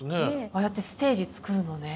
ああやってステージ作るのね。